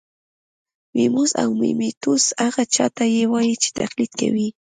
میموس او میموتوس هغه چا ته وايي چې تقلید کوي